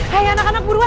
hei anak anak buruan